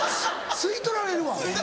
吸い取られるわ。